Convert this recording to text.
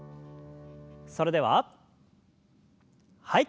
それでははい。